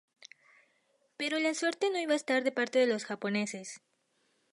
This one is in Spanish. Pero la suerte no iba a estar de parte de los japoneses.